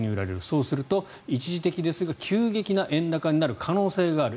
そうすると一時的ですが急激な円高になる可能性がある。